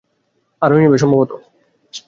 আরোই নেবে, সম্ভবত।